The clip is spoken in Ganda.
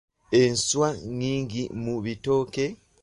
Enswa nnyingi mu bitooke.